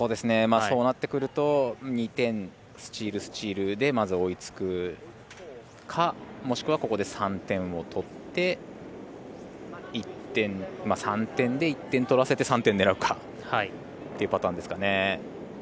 そうなってくると２点、スチール、スチールでまず追いつくかもしくはここで３点を取って１点、３点で１点取らせて３点狙うかというパターンですかね。